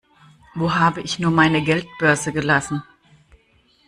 Wo habe ich nur meine Geldbörse gelassen?